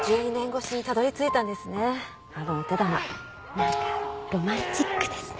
なんかロマンチックですね。